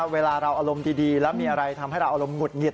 เวลาเราอารมณ์ดีแล้วมีอะไรทำให้เราอารมณ์หุดหงิด